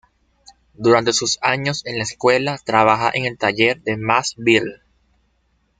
Durante sus años en la escuela, trabaja en el taller de Max Bill.